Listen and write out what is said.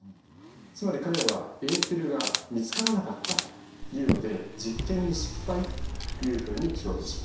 つまり彼らはエーテルが見つからなかったというので実験に失敗というふうに表現しました。